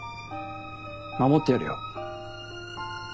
守ってやるよ。